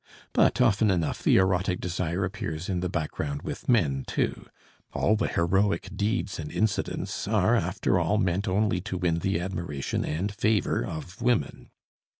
But often enough the erotic desire appears in the background with men too; all the heroic deeds and incidents are after all meant only to win the admiration and favor of women.